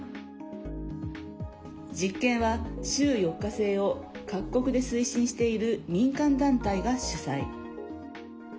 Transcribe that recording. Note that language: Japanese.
実験は週４日制を各国で推進している民間団体が主催。